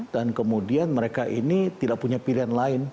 dan kemudian mereka ini tidak punya pilihan lain